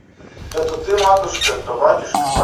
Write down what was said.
Да то ты, матушка, то батюшка.